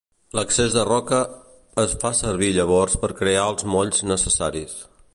L'excés de roca es va fer servir llavors per crear els molls necessaris.